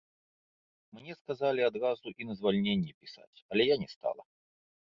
Мне сказалі адразу і на звальненне пісаць, але я не стала.